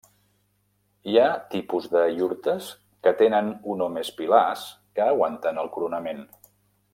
Hi ha tipus de iurtes que tenen un o més pilars que aguanten el coronament.